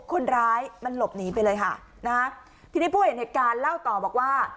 คนร้ายมันหลบหนีไปเลยค่ะนะฮะทีนี้ผู้เห็นเหตุการณ์เล่าต่อบอกว่า